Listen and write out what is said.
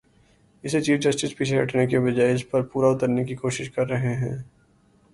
اس سے chief justice پیچھے ہٹنے کی بجائے اس پر پورا اترنے کی کوشش کر رہے ہیں۔